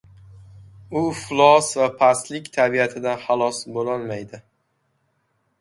u iflos va pastlik tabiatidan xalos bo‘lolmaydi.